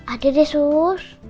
ada deh sus